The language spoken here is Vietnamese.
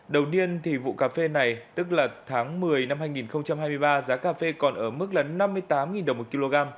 đầu tiên thì vụ cà phê này tức là tháng một mươi năm hai nghìn hai mươi ba giá cà phê còn ở mức là năm mươi tám đồng một kg